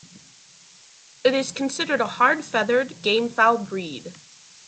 It is considered a hard-feathered, gamefowl breed.